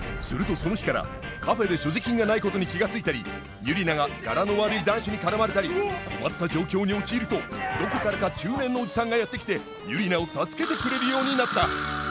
するとその日からカフェで所持金がないことに気が付いたりユリナがガラの悪い男子に絡まれたり困った状況に陥るとどこからか中年のおじさんがやって来てユリナを助けてくれるようになった！